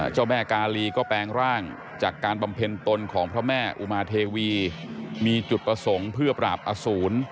เจ้าแม่กาลีก็แปลงร่างจากการบำเพ็ญตนของพระแม่อุมาเทวีมีจุดประสงค์เพื่อปราบอสูร